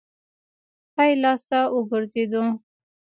ښي لاس ته وګرځېدو.